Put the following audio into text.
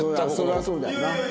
それはそうだよな。